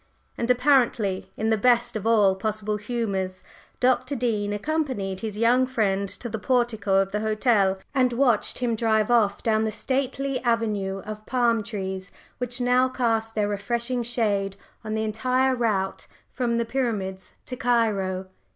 And apparently in the best of all possible humors, Dr. Dean accompanied his young friend to the portico of the hotel and watched him drive off down the stately avenue of palm trees which now cast their refreshing shade on the entire route from the Pyramids to Cairo.